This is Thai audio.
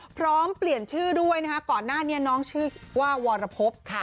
พร้อมเปลี่ยนชื่อด้วยนะคะก่อนหน้านี้น้องชื่อว่าวรพบค่ะ